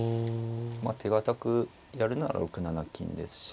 まあ手堅くやるなら６七金ですし。